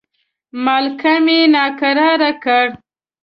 مالکم یې ناکراره کړ.